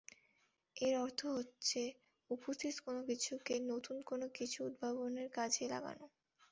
এর অর্থ হচ্ছে উপস্থিত কোনো কিছুকে নতুন কোনো কিছু উদ্ভাবনে কাজে লাগানো।